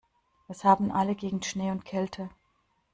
Was haben alle gegen Schnee und Kälte?